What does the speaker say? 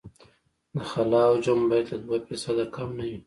د خلا حجم باید له دوه فیصده کم نه وي